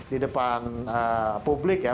di depan publik ya